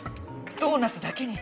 ドーナツだけに。